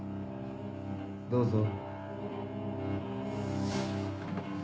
どうぞ。